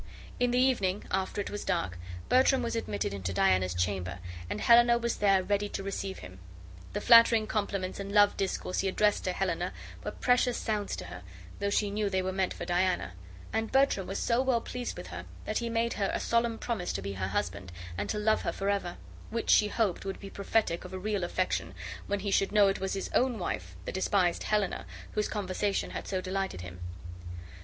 In the evening, after it was dark, Bertram was admitted into Diana's chamber, and Helena was there ready to receive him. The flattering compliments and love discourse he addressed to Helena were precious sounds to her though she knew they were meant for Diana; and Bertram was so well pleased with her that he made her a solemn promise to be her husband, and to love her forever; which she hoped would be prophetic of a real affection, when he should know it was his own wife, the despised Helena, whose conversation had so delighted him.